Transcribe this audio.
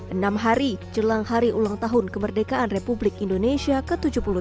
enam hari jelang hari ulang tahun kemerdekaan republik indonesia ke tujuh puluh tiga